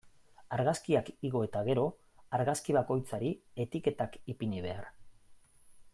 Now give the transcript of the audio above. Argazkiak igo eta gero, argazki bakoitzari etiketak ipini behar.